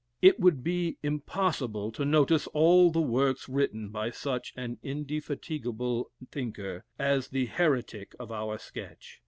It would be impossible to notice all the works written by such an indefatigable thinker as the "heretic" of our sketch.